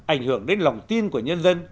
ảnh hưởng đến lòng tin của nhân dân